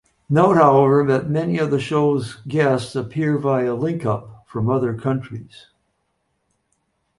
Note however that many of the show's guests appear via link-up from other countries.